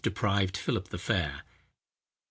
deprived Philip the Fair.